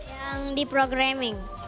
yang di programming